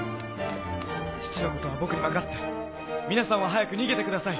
父のことは僕に任せて皆さんは早く逃げてください！